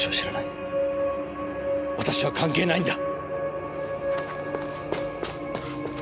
私は関係ないんだ。